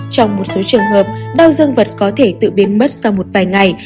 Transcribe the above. trong một số trường hợp đau dân vật có thể tự biến mất sau một vài ngày